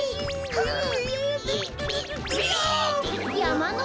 うん。